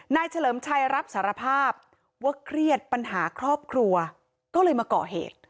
เฉลิมชัยรับสารภาพว่าเครียดปัญหาครอบครัวก็เลยมาก่อเหตุ